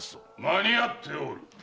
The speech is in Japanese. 間に合っておる。